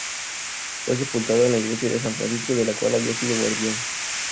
Fue sepultado en la Iglesia de San Francisco de la cual había sido guardián.